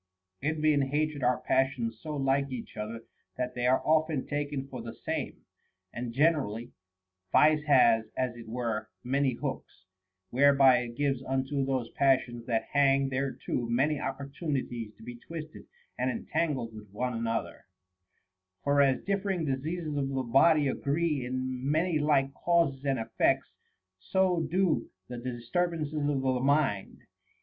1. Envy and hatred are passions so like each other that they are often taken for the same. And generally, vice has (as it were) many hooks, whereby it gives unto those pas sions that hang thereto many opportunities to be twisted and entangled with one another ; for as differing diseases of the body agree in many like causes and effects, so do the disturbances of the mind.